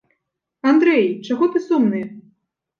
Андрэй, чаго ты сумны?